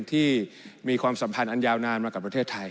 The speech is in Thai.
ที่มีความสัมพันธ์อันยาวนานมากับประเทศไทย